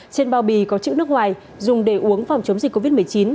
trên bao bì có chữ nước ngoài dùng để uống phòng chống dịch covid một mươi chín